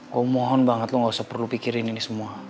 gue mohon banget lo gak usah perlu pikirin ini semua